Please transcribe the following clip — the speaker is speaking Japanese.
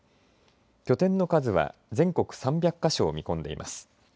拠点の数は全国３００か所を見込んでいます。